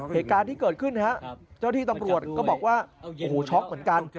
เหตุการณ์ที่เกิดขึ้นนะฮะเจ้าที่ตำรวจก็บอกว่าโอ้โหช็อกเหมือนกัน